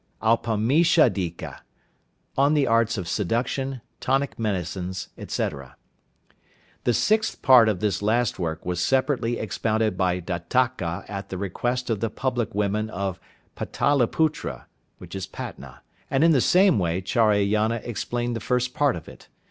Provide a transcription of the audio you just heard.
Aupamishadika (on the arts of seduction, tonic medicines, etc.). The sixth part of this last work was separately expounded by Dattaka at the request of the public women of Pataliputra (Patna), and in the same way Charayana explained the first part of it.